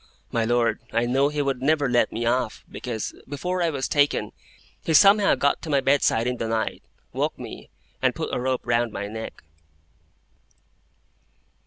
My Lord, I knew he would never let me off, because, before I was taken, he somehow got to my bedside in the night, woke me, and put a rope round my neck."